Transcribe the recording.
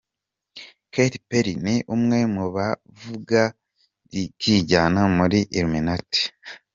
Katy Perry ni umwe mubavuga rikijyana muri illuminati.